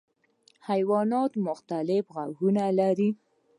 حیوانات مختلف غږونه لري.